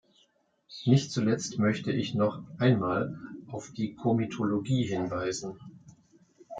Nicht zuletzt möchte ich noch einmal auf die Komitologie hinweisen.